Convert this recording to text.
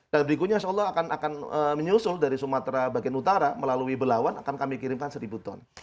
dan berikutnya insya allah akan menyusul dari sumatera bagian utara melalui belawan akan kami kirimkan seribu ton